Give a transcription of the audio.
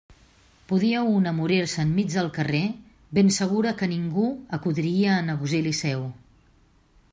Podia una morir-se enmig del carrer, ben segura que ningú acudiria en auxili seu.